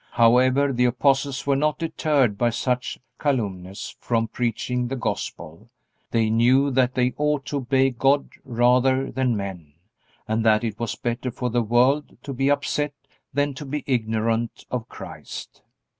However, the apostles were not deterred by such calumnies from preaching the Gospel. They knew that they "ought to obey God rather than men," and that it was better for the world to be upset than to be ignorant of Christ.